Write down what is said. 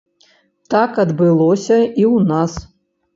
Так адбылося і ў нас.